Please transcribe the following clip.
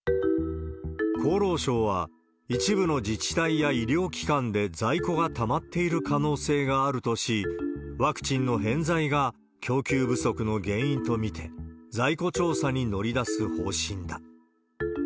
厚労省は、一部の自治体や医療機関で在庫がたまっている可能性があるとし、ワクチンの偏在が供給不足の原因と見て、在庫調査に乗り出す方針だ。